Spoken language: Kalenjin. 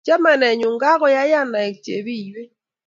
Chamanenyun koyayo aek chepiywet